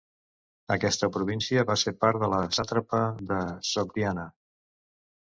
Aquesta província va ser part de la sàtrapa de Sogdiana.